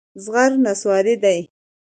زغر نصواري دي.